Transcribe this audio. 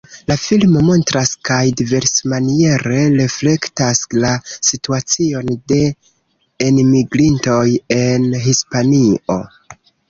La filmo montras kaj diversmaniere reflektas la situacion de enmigrintoj en Hispanio.